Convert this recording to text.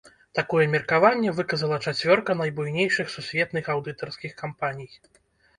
Такое меркаванне выказала чацвёрка найбуйнейшых сусветных аўдытарскіх кампаній.